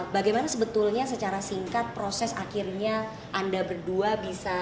bagaimana sebetulnya secara singkat proses akhirnya anda berdua bisa